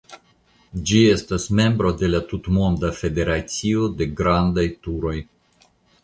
Ĝi estas membro de la Tutmonda Federacio de Grandaj Turoj.